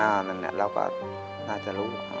อ้าวนั่นนี่เราก็น่าจะรู้